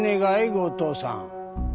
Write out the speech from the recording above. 後藤さん。